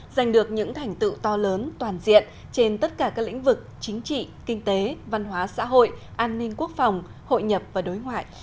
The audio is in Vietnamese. giành được những thành tựu to lớn toàn diện trên tất cả các lĩnh vực chính trị kinh tế văn hóa xã hội an ninh quốc phòng hội nhập và đối ngoại